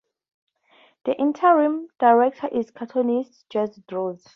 The interim director is cartoonist Jerzy Drozd.